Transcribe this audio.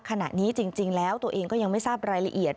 ขณะนี้จริงแล้วตัวเองก็ยังไม่ทราบรายละเอียด